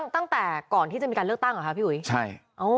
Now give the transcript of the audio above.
ตั้งแต่ก่อนที่จะมีการเลือกตั้งเหรอคะพี่อุ๋ยใช่